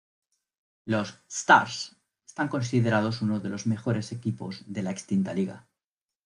Los Stars están considerados uno de los mejores equipos de la extinta liga.